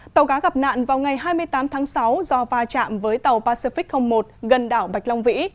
tàu cá gặp nạn vào ngày hai mươi tám tháng sáu do va chạm với tàu pacific một gần đảo bạch long vĩ